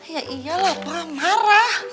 ya iyalah pak marah